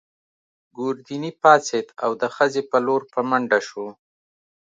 ګوردیني پاڅېد او د خزې په لور په منډه شو.